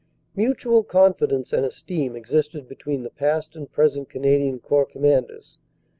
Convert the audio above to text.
Mutual confidence and esteem existed between the past and present Canadian Corps Commanders.